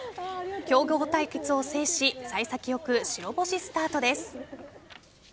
強豪対決を制し幸先良く白星スタートです。